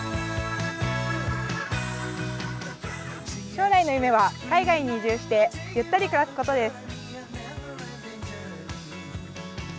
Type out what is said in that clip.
将来の夢は海外に移住してゆったり暮らすことです。